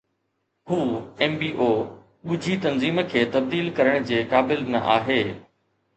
هو Mbo ڳجهي تنظيم کي تبديل ڪرڻ جي قابل نه آهي